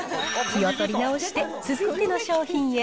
気を取り直して、続いての商品へ。